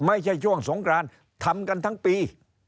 ไม่ใช่ช่วงสงกรานทำกันทั้งปี